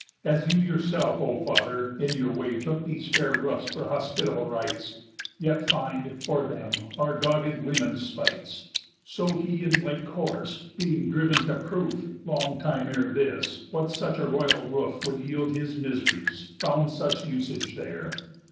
And as yourself, O father, in your way Took these fair roofs for hospitable rites, Yet find, for them, our dogged women's spites; So he, in like course, being driven to proof, Long time ere this, what such a royal roof Would yield his mis'ries, found such usage there.